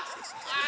あ！